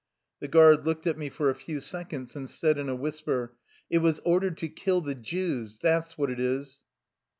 The guard looked at me for a few seconds, and said in a whisper :" It was ordered to kill the Jews, that 's what it is."